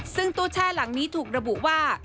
ซึ่งตู้แช่หลังนี้ถูกระบุว่า